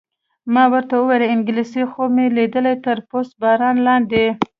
ما ورته وویل: انګلېسي خوب مې لیده، تر پست باران لاندې.